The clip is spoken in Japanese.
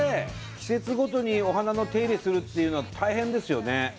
季節ごとにお花の手入れするっていうのは大変ですよね。